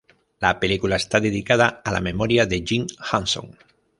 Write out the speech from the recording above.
La película está dedicada a la memoria de Jim Henson.